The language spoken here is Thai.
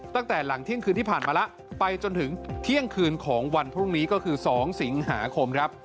ตั้งแต่หลังเที่ยงคืนที่ผ่านมาแล้วไปจนถึงเที่ยงคืนของวันพรุ่งนี้ก็คือ๒สิงหาคมครับ